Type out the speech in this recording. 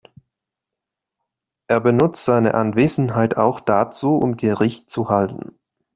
Er benutzt seine Anwesenheit auch dazu, um Gericht zu halten.